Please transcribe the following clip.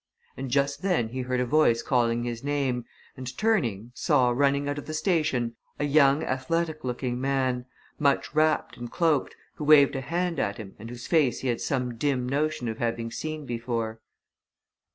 And just then he heard a voice calling his name, and turning saw, running out of the station, a young, athletic looking man, much wrapped and cloaked, who waved a hand at him and whose face he had some dim notion of having seen before.